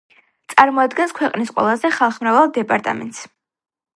წარმოადგენს ქვეყნის ყველაზე ხალხმრავალ დეპარტამენტს.